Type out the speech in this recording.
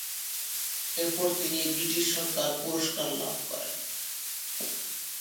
এরপর তিনি ব্রিটিশ সরকার পুরস্কার লাভ করেন।